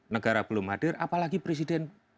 negara belum hadir apalagi presiden